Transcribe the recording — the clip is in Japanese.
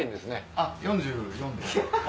あっ４４です。